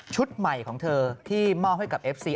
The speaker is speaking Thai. ใหม่ของเธอที่มอบให้กับเอฟซี